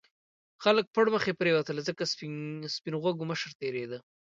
خلک پرمخې پرېوتل ځکه سپین غوږو مشر تېرېده.